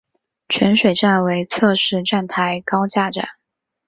泉水站为侧式站台高架站。